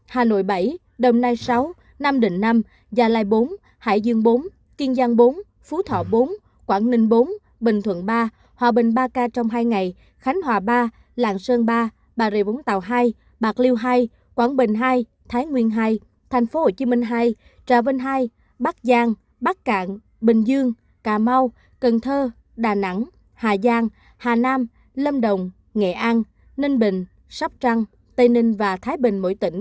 hà nội bảy đồng nai sáu nam định năm gia lai bốn hải dương bốn kiên giang bốn phú thọ bốn quảng ninh bốn bình thuận ba hòa bình ba ca trong hai ngày khánh hòa ba làng sơn ba bà rịa vũng tàu hai bạc liêu hai quảng bình hai thái nguyên hai tp hcm hai trà vinh hai bắc giang bắc cạn bình dương cà mau cần thơ đà nẵng hà giang hà nam lâm đồng nghệ an ninh bình sắp trăng tây ninh và thái bình mỗi tỉnh